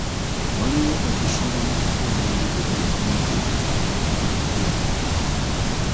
Waliwo okusooba mu kufulumya ebivudde mu ebyo ebyakebereddwa.